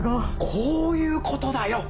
こういうことだよ！